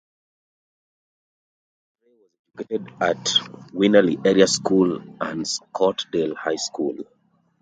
Rattray was educated at Winnaleah Area School and Scottsdale High School.